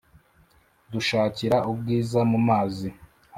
dushakira ubwiza mu mazi